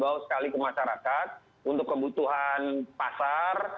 bawa sekali ke masyarakat untuk kebutuhan pasar